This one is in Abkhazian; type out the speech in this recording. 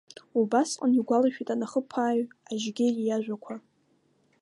Убасҟан игәалашәеит аныхаԥааҩ Ажьгьери иажәақәа.